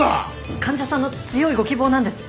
患者さんの強いご希望なんです。